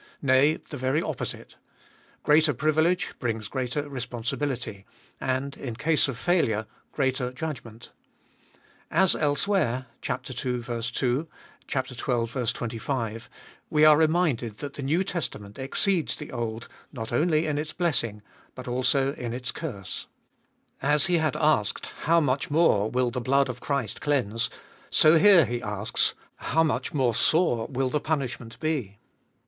Nay, the very opposite. Greater privilege brings greater responsi bility, and, in case of failure, greater judgment. As elsewhere (ii. 2 ; xii. 25) we are reminded that the New Testament exceeds the Old not only in its blessing but also in its curse. As he had asked " How much more will the blood of Christ cleanse ?" so here he asks, " How much more sore will the punishment be